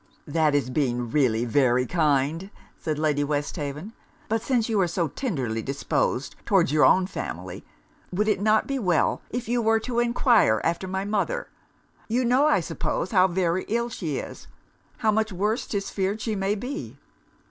'That is being really very kind,' said Lady Westhaven. 'But since you are so tenderly disposed towards your own family, would it not be well if you were to enquire after my mother? You know, I suppose, how very ill she is; how much worse 'tis feared she may be?'